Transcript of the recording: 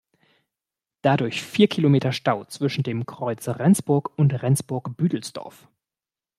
Dadurch vier Kilometer Stau zwischen dem Kreuz Rendsburg und Rendsburg-Büdelsdorf.